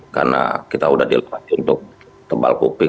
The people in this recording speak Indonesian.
karena kita sudah dilakukan untuk tembal kuping